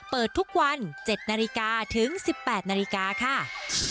เปิดทุกวัน๗นาฬิกาถึง๑๘นาฬิกาค่ะ